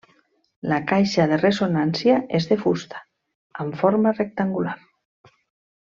La caixa de ressonància és de fusta amb forma rectangular.